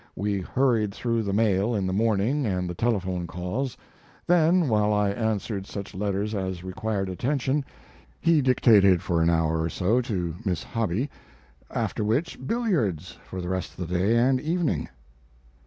We hurried through the mail in the morning and the telephone calls; then, while I answered such letters as required attention, he dictated for an hour or so to Miss Hobby, after which, billiards for the rest of the day and evening.